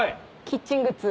キッチングッズ？